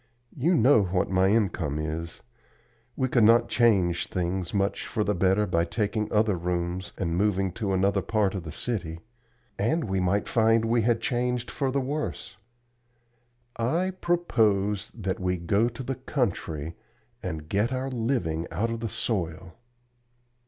You know what my income is; we could not change things much for the better by taking other rooms and moving to another part of the city, and we might find that we had changed for the worse. I propose that we go to the country and get our living out of the soil."